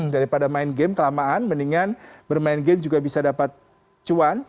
daripada main game kelamaan mendingan bermain game juga bisa dapat cuan